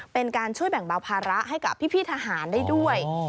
เป็นการช่วยแบ่งเบาภาระให้กับพี่ทหารได้ด้วย